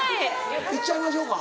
いっちゃいましょうか。